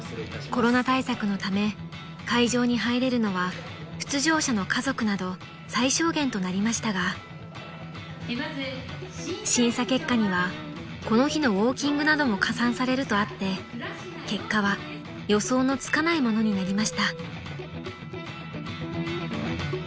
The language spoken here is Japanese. ［コロナ対策のため会場に入れるのは出場者の家族など最小限となりましたが審査結果にはこの日のウオーキングなども加算されるとあって結果は予想のつかないものになりました］